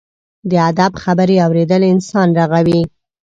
د ادب خبرې اورېدل انسان رغوي.